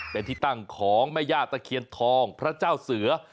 เป็นที่ตั้งของแม่ย่าตะเคียนทองพระเจ้าเสือ